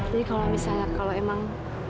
jadi kalau misalnya kalau emang